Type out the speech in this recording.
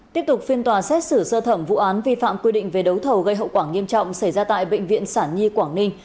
tiếp tục phiên tòa xét xử sơ thẩm vụ án vi phạm quy định về đấu thầu gây hậu quả nghiêm trọng xảy ra tại bệnh viện sản nhi quảng ninh